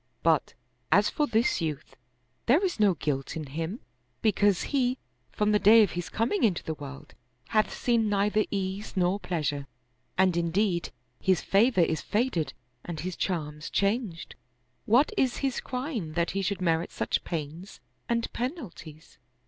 But, as for this youth, there is no guilt in him, because he, from the day of his coming into the world, hath seen neither ease nor pleasure, and indeed his favor is faded and his charms changed. What is his crime that he should merit such pains and penalties?